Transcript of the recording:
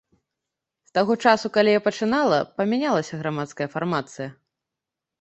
З таго часу, калі я пачынала, памянялася грамадская фармацыя.